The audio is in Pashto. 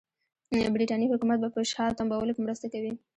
برټانیې حکومت به په شا تمبولو کې مرسته کوي.